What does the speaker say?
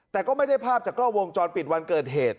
แต่ก็ไม่ได้ภาพจากกล้องวงจรปิดวันเกิดเหตุ